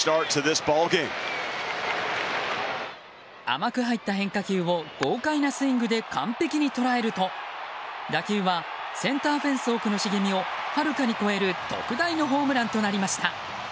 甘く入った変化球を豪快なスイングで完璧に捉えると打球は、センターフェンス奥の茂みをはるかに越える特大のホームランとなりました。